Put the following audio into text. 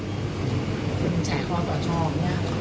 ข้าข้อต่อชอบเนี่ย